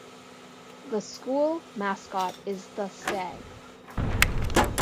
The school mascot is the Stag.